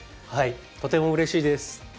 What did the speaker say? はいとてもうれしいです。